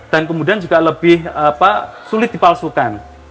dan kemudian juga lebih sulit dipalsukan